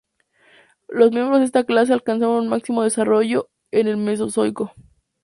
Los miembros de esta clase alcanzaron su máximo desarrollo en el Mesozoico.